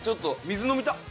水飲みたっ！